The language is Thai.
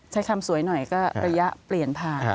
ใช้คำสวยหน่อยก็ระยะเปลี่ยนผ่าน